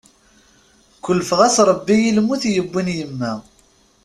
Kulfeɣ-as Rebbi i lmut yuwin yemma.